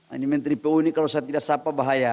ini menteri pu ini kalau saya tidak sapa bahaya